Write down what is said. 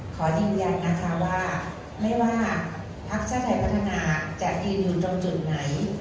ขอยืนยันนะคะว่าไม่ว่าพักชาติไทยพัฒนาจะยืนอยู่ตรงจุดไหน